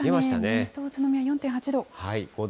水戸、宇都宮４．８度。